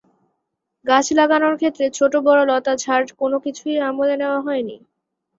গাছ লাগানোর ক্ষেত্রে ছোট-বড় লতা ঝাড় কোনো কিছুই আমলে নেওয়া হয়নি।